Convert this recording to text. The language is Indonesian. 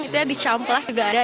itu yang dicamplas juga ada